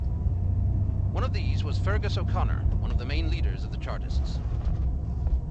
One of these was Feargus O'Connor, one of the main leaders of the Chartists.